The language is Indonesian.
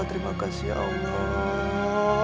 terima kasih ya allah